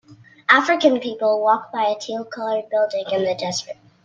African people walk by a teal colored building in the desert.